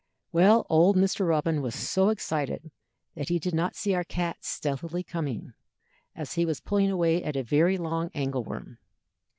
Well, old Mr. Robin was so excited that he did not see our cat stealthily coming, as he was pulling away at a very long angle worm.